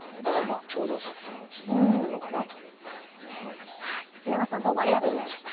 頂上作戦は続いていくのかなと思います。